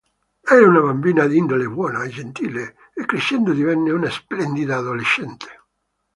Era una bambina di indole buona e gentile e crescendo divenne una splendida adolescente.